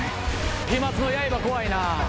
飛沫の刃怖いな。